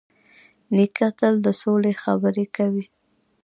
نیکه تل د سولې خبرې کوي.